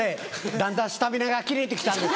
だんだんスタミナが切れて来たんです。